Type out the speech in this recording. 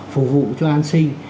phục vụ cho an sinh